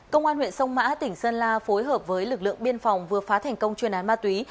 công an huyện sông mã tỉnh sơn la phối hợp với lực lượng biên phòng vừa phá thành công chuyên án ma túy